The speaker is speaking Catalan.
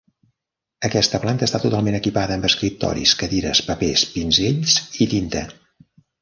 Aquesta planta està totalment equipada amb escriptoris, cadires, papers, pinzells i tinta.